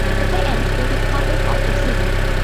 The play ends with his complete ostracism.